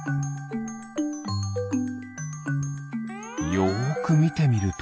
よくみてみると。